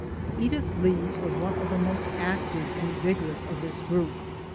Edith Lets was one of the most active and vigorous of this group.